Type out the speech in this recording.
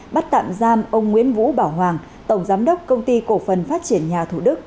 bắt tạm giam ông nguyễn vũ bảo hoàng tổng giám đốc công ty cổ phần phát triển nhà thủ đức